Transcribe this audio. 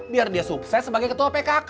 biar dia sukses sebagai ketua pkk